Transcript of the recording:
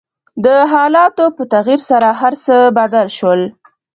د حالاتو په تغير سره هر څه بدل شول .